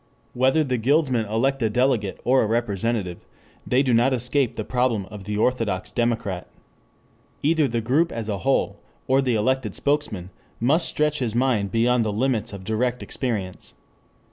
Whether the guildsmen elect a delegate, or a representative, they do not escape the problem of the orthodox democrat. Either the group as a whole, or the elected spokesman, must stretch his mind beyond the limits of direct experience.